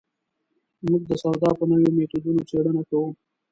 موږ د سودا په نویو مېتودونو څېړنه کوو.